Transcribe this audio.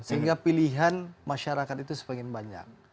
sehingga pilihan masyarakat itu semakin banyak